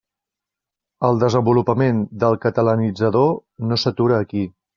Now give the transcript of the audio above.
El desenvolupament del Catalanitzador no s'atura aquí.